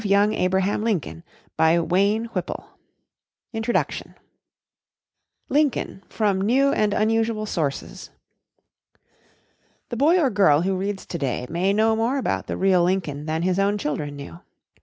LIEUTENANT TAD LINCOLN, PATRIOT 248 INTRODUCTION LINCOLN FROM NEW AND UNUSUAL SOURCES The boy or girl who reads to day may know more about the real Lincoln than his own children knew.